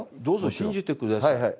どうぞ信じてください。